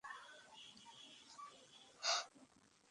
এর আবার অনেক ভাগ রয়েছে।